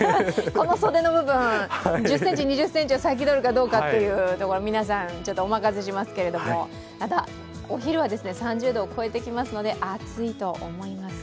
この袖の部分、１０ｃｍ、２０ｃｍなるかどうかというのを皆さん、ちょっとお任せしますけれども、ただ、お昼は３０度を超えてきますので、暑いと思います。